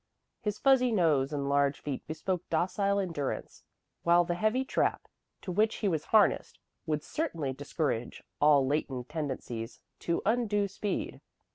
His fuzzy nose and large feet bespoke docile endurance, while the heavy trap to which he was harnessed would certainly discourage all latent tendencies to undue speed.